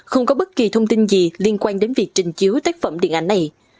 không có bất kỳ thông tin gì liên quan đến việc trình chiếu tác phẩm điện ảnh này